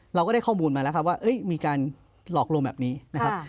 เราก็ได้ข้อมูลมาแล้วครับว่ามีการหลอกลวงแบบนี้นะครับ